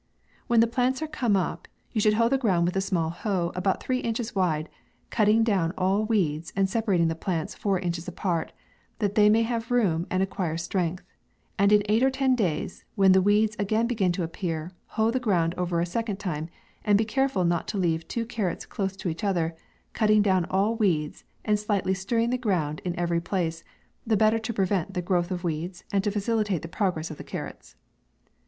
When the plants are come up, you should hoe the ground with a small hoe, about three inches wide, cutting down all weeds, and se parating the plants four inches apart, that they may have room and acquire strength ; and in eight or ten days, when the weeds a gain begin to appear, hoe the ground over a second time, and be careful not to leave two carrots close to each other, cutting down all weeds, and slightly stirring the ground in ev ery place, the better to prevent the growth of weeds, and to facilitate the progress of the carrots.